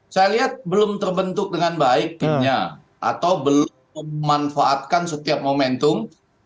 saya lihat belum terbentuk dengan baik timnya atau belum memanfaatkan setiap momentum